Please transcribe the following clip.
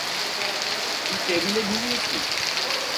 তুই টেবিলে ঘুমিয়েছিস?